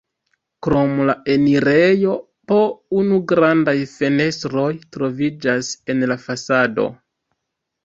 Krom la enirejo po unu grandaj fenestroj troviĝas en la fasado.